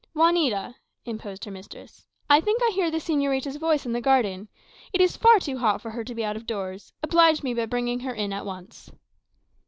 "Juanita," interposed her mistress, "I think I hear the señorita's voice in the garden. It is far too hot for her to be out of doors. Oblige me by bringing her in at once."